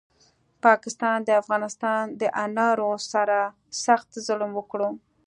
پاکستاد د افغانستان دانارو سره سخت ظلم وکړو